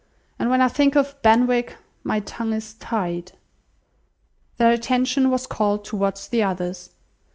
And when I think of Benwick, my tongue is tied." Their attention was called towards the others.